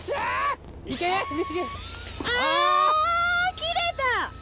切れた！